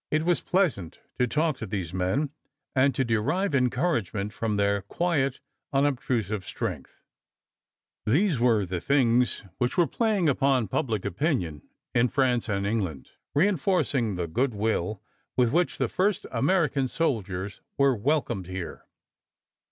It was pleasant to talk to these men and to derive encouragement from their quiet, unobtrusive strength." These were the things which were playing upon public opinion in France and England, reinforcing the good will with which the first American soldiers were welcomed there.